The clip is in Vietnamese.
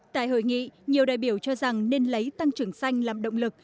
tại hội nghị nhiều đại biểu cho rằng nên lấy tăng trưởng xanh làm động lực